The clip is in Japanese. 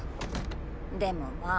でもまあ。